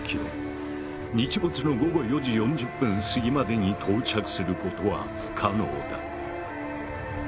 日没の午後４時４０分すぎまでに到着することは不可能だ。